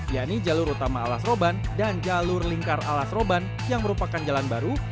yakni jalur utama alas roban dan jalur lingkar alas roban yang merupakan jalan baru